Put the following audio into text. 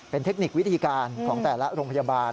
เป็นเทคนิควิธีการของแต่ละโรงพยาบาล